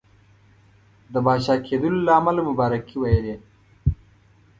د پاچا کېدلو له امله مبارکي ویلې.